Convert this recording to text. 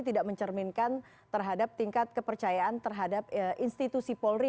tidak mencerminkan terhadap tingkat kepercayaan terhadap institusi polri